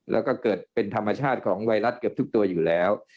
แล้วก็เกิดเป็นธรรมชาติของไวรัสเกือบทุกตัวอยู่แล้ว